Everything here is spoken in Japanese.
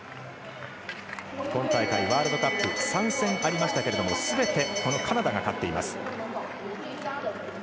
今大会、ワールドカップ３戦ありましたけどもすべて、このカナダが勝っています。